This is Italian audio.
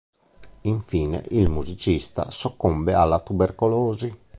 Infine il musicista soccombe alla tubercolosi.